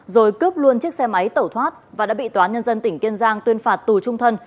rồi cướp luôn chiếc xe máy tẩu thoát và đã bị tòa nhân dân tỉnh kiên giang tuyên phạt tù trung thân